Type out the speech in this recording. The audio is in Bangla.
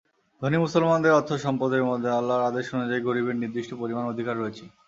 ধনী মুসলমানদের অর্থ-সম্পদের মধ্যে আল্লাহর আদেশ অনুযায়ী গরিবের নির্দিষ্ট পরিমাণ অধিকার রয়েছে।